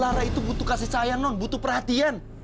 lara itu butuh kasih sayang non butuh perhatian